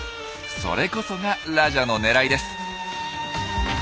それこそがラジャのねらいです。